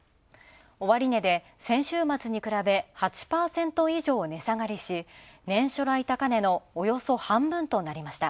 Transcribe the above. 終値で先週末に比べ、８％以上値下がりし、年初来高値の、およそ半分となりました。